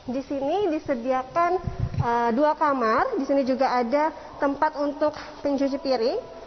di sini disediakan dua kamar di sini juga ada tempat untuk pencuci piring